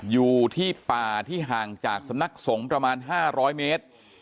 อยู่ที่ป่าที่ห่างจากสำนักสงฆ์ประมาณ๕๐๐เมตร